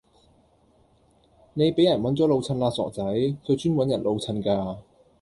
你俾人搵咗老襯啦傻仔，佢專搵人老襯㗎